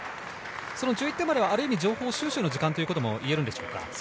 １１点までは、ある意味、情報収集の時間といえるでしょうか。